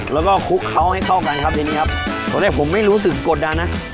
แล้วก็คลุกเขาให้เข้ากันครับทีนี้ครับตอนแรกผมไม่รู้สึกกดดันนะ